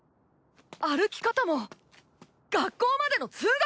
歩き方も学校までの通学路も。